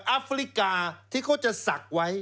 อัฟริกาที่เขาจะสักไว้